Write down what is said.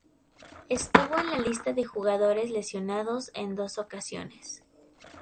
Estuvo en la lista de jugadores lesionados en dos ocasiones.